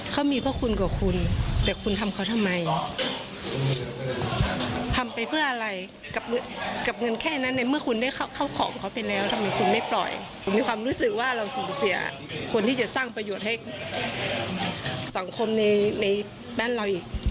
สำหรับคนที่จะสร้างประโยชน์ให้สังคมในแบนเราอีก